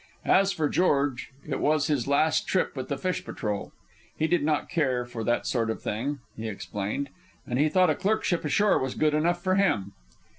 As for George, it was his last trip with the fish patrol. He did not care for that sort of thing, he explained, and he thought a clerkship ashore was good enough for him.